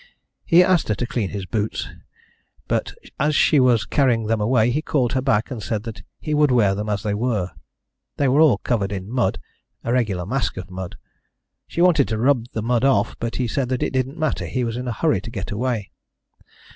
He asked her to clean his boots, but as she was carrying them away he called her back and said he would wear them as they were. They were all covered with mud a regular mask of mud. She wanted to rub the mud off, but he said that didn't matter: he was in a hurry to get away.